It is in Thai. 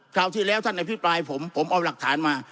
คราวที่แล้วท่านอภิปรายผมผมเอาหลักฐานมา